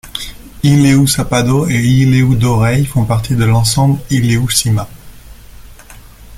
Ilhéu Sapado et Ilhéu do Rei font partie de l'ensemble Ilhéu Cima.